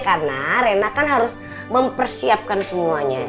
karena rena kan harus mempersiapkan semuanya